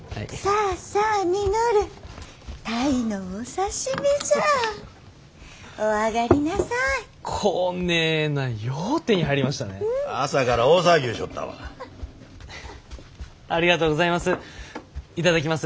ありがとうございます。